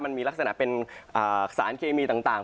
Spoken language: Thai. มันมีลักษณะเป็นสารเคมีต่าง